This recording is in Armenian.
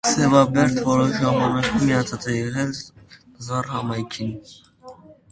Սևաբերդը որոշ ժամանակով միացած է եղել Զառ համայնքին։